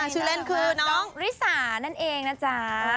ชื่อเล่นคือน้องริสานั่นเองนะจ๊ะ